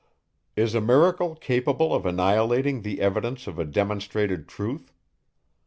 Is a miracle capable of annihilating the evidence of a demonstrated truth?